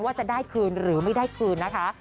ว่าจะได้คืนหรือไม่ได้คืนนะคะ